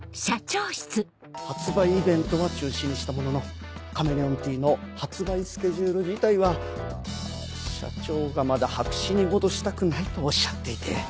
発売イベントは中止にしたもののカメレオンティーの発売スケジュール自体は社長がまだ白紙に戻したくないとおっしゃっていて。